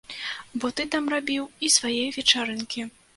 Бо ты там рабіў і свае вечарынкі.